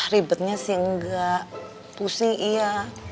ribetnya sih enggak pusing iya